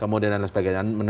kemudian dan sebagainya